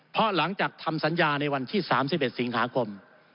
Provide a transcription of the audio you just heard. เพราะหลังจากทำสัญญาในวันที่๓๑สิงหาคม